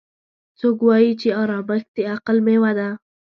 څوک وایي چې ارامښت د عقل میوه ده